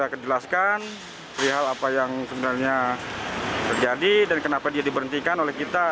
kejelaskan perihal apa yang sebenarnya terjadi dan kenapa dia diberhentikan oleh kita